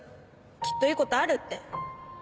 きっといい事あるって。